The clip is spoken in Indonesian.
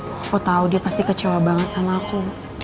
kalo tau dia pasti kecewa banget sama aku